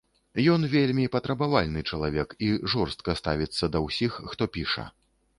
Ён вельмі патрабавальны чалавек і жорстка ставіцца да ўсіх, хто піша.